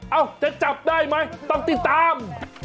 จะจับได้ไหมต้องติดตาม